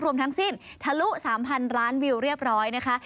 รวมทั้งสิ้นทะลุ๓๐๐ล้านวิวเรียบร้อยนะคะ